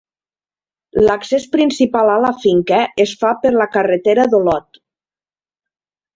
L'accés principal a la finca es fa per la carretera d'Olot.